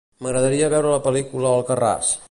M'agradaria veure la pel·lícula "Alcarràs".